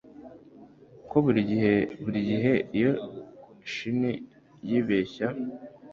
Ko burigihe burigihe iyo chimney yibeshya